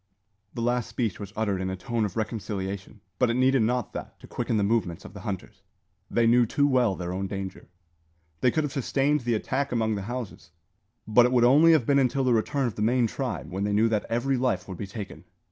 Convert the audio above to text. The last speech was uttered in a tone of reconciliation; but it needed not that to quicken the movements of the hunters. They knew too well their own danger. They could have sustained the attack among the houses, but it would only have been until the return of the main tribe, when they knew that every life would be taken.